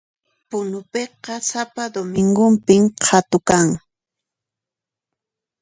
Punupiqa sapa domingopin qhatu kan